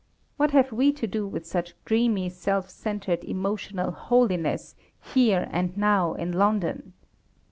What have we to do with such dreamy, self centred, emotional holiness, here and now in London?